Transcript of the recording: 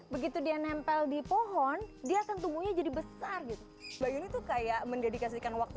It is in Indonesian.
begitu dia nempel di pohon dia akan tumbuhnya jadi besar gitu kayak mendedikasikan waktu